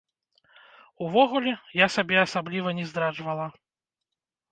Увогуле, я сабе асабліва не здраджвала.